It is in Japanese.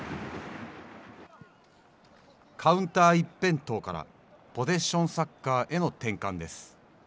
カウンター一辺倒からポゼッションサッカーへの転換です。